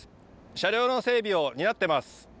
車両の整備を担っています。